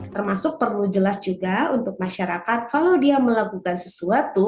termasuk perlu jelas juga untuk masyarakat kalau dia melakukan sesuatu